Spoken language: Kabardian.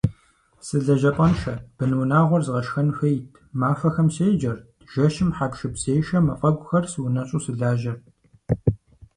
Сылэжьапӏэншэт, бынунагъуэр згъашхэн хуейт, махуэхэм седжэрт, жэщым хьэпшыпзешэ мафӏэгухэр сыунэщӏу сылажьэрт.